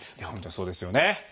本当そうですよね。